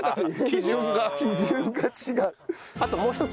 基準が違う。